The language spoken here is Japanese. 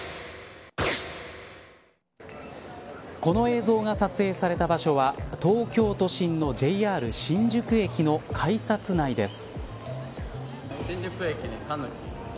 この映像が撮影された場所は東京都心のＪＲ新宿駅の改札内です。